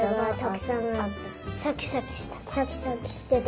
シャキシャキしてた。